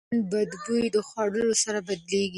د بدن بوی د خوړو سره بدلېږي.